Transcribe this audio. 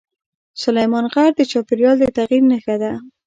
سلیمان غر د چاپېریال د تغیر نښه ده.